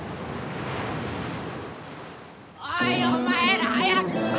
おいお前ら早く来いよ！